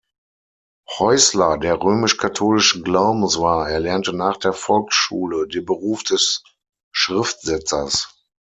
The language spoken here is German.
Häussler, der römisch-katholischen Glaubens war, erlernte nach der Volksschule den Beruf des Schriftsetzers.